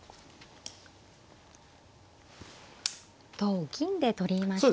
同銀で取りました。